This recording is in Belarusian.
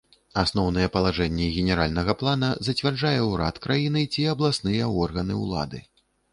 Асноўныя палажэнні генеральнага плана зацвярджае ўрад краіны ці абласныя органы ўлады.